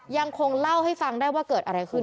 ยังคงเล่าให้ฟังได้ว่าเกิดอะไรขึ้น